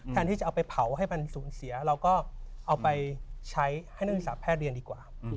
ที่จะเอาไปเผาให้มันสูญเสียเราก็เอาไปใช้ให้นักศึกษาแพทย์เรียนดีกว่า